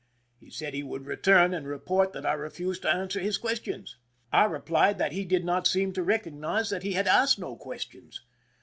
He said he would return and report that I refused to answer his questions. I replied that he did not seem to recognize that he had asked no questions.